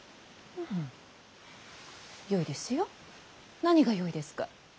何がよいですか？